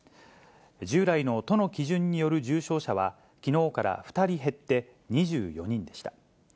従来の都の基準による重症者は、きのうから２人減って２４人でした。